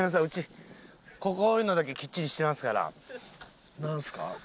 うちこういうのだけはきっちりしてますから。なんすか？